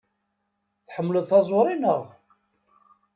Tḥemmleḍ taẓuri, naɣ?